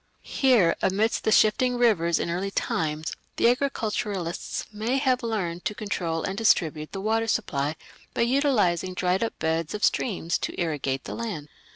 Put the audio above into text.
Here, amidst the shifting rivers in early times, the agriculturists may have learned to control and distribute the water supply by utilizing dried up beds of streams to irrigate the land.